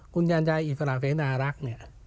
คุณยานใจอิสระเศร้านารักษ์